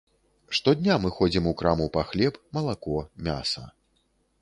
Штодня мы ходзім у краму па хлеб, малако, мяса.